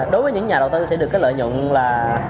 đối với những nhà đầu tư sẽ được cái lợi nhuận là